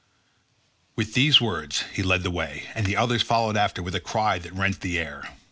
With these words he led the way, and the others followed after with a cry that rent the air.